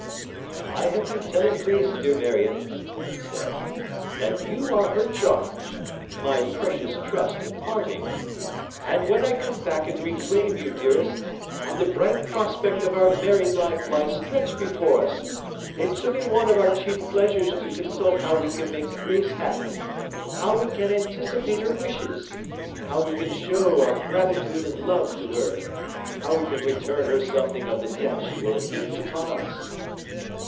'I have been telling Grace, dear Marion,' he said, 'that you are her charge; my precious trust at parting. And when I come back and reclaim you, dearest, and the bright prospect of our married life lies stretched before us, it shall be one of our chief pleasures to consult how we can make Grace happy; how we can anticipate her wishes; how we can show our gratitude and love to her; how we can return her something of the debt she will have heaped upon us.